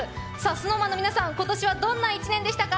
ＳｎｏｗＭａｎの皆さん、今年はどんな一年でしたか？